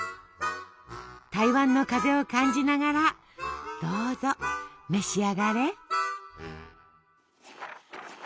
台湾の風を感じながらどうぞ召し上がれ。